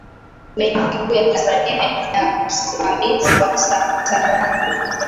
benki kuu ya tanzania ina usimamizi wa sarafu